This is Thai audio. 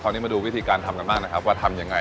คราวนี้มาดูวิธีการทำกันมากนะครับว่าทำอย่างไร